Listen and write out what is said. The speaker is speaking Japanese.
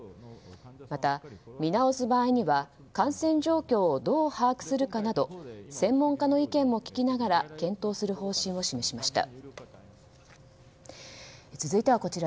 また、見直す場合には感染状況をどう把握するかなど専門家の意見も聞きながら検討する方針を示しました。